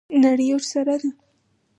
نړۍ ورسره ده.